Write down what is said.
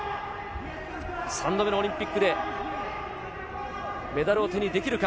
３度目のオリンピックで、メダルを手にできるか。